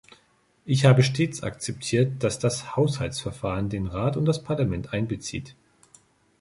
Ich habe stets akzeptiert, dass das Haushaltsverfahren den Rat und das Parlament einbezieht.